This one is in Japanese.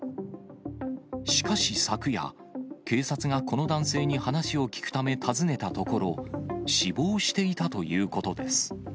しかし昨夜、警察がこの男性に話を聴くため訪ねたところ、死亡していたということです。